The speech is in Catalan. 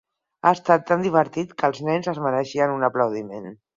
Ha estat tan divertit que els nens es mereixen un aplaudiment.